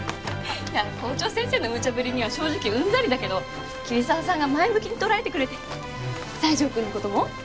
いや校長先生のむちゃぶりには正直うんざりだけど桐沢さんが前向きに捉えてくれて西条くんの事も。